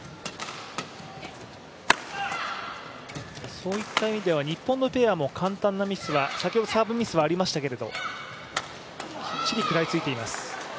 そういった意味では日本のペアも簡単なミスは、先ほどサーブミスはありましたけれども、きっちり食らいついています。